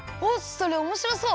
それおもしろそう！